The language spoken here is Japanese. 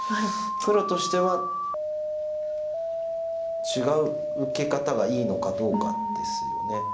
黒としては違う受け方がいいのかどうかですよね。